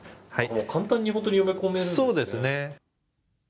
簡単に読み込めるんですね。